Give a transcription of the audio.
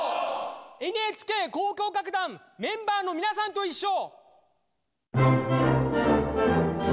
ＮＨＫ交響楽団メンバーのみなさんといっしょ！